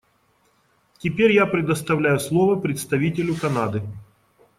Теперь я предоставляю слово представителю Канады.